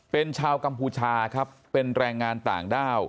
เป็นชาวกัมพูชาครับเป็นแรงงานต่างด้าว